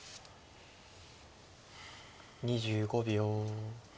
２５秒。